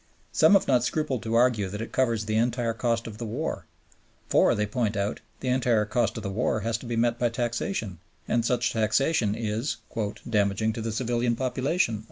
Some have not scrupled to argue that it covers the entire cost of the war; for, they point out, the entire cost of the war has to be met by taxation, and such taxation is "damaging to the civilian population."